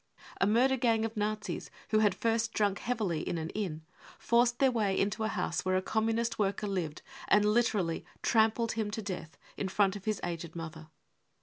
A murder gang of Nazis, who had first drunk heavily in an inn, forced their way into a house where a Communist worker lived and literally trampled him to death in front of his aged mother.